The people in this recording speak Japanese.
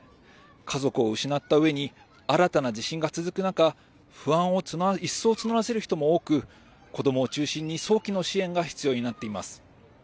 家族を失ったうえに新たな地震が続く中不安を一層募らせる人も多く子どもを中心に早期の支援が必要になっています。